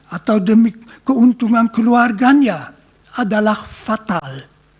atau demi keuntungan keluarganya adalah fatal